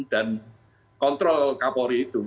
dan kontrol kapolri itu